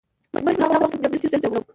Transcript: موږ به تر هغه وخته پورې امنیتی ستونزې حلوو.